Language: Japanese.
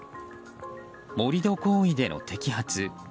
盛り土行為での摘発。